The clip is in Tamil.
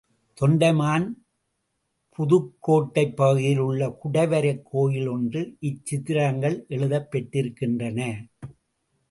தொண்டைமான் புதுக்கோட்டைப் பகுதியில் உள்ள குடைவரைக் கோயில் ஒன்றில் இச்சித்திரங்கள் எழுதப் பெற்றிருக்கின்றன.